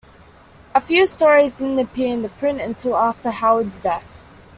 A few stories didn't appear in print until after Howard's death.